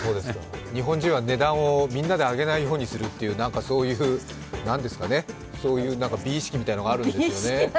日本人は値段をみんなで上げないようにするという、そういう美意識みたいなものがあるんですよね。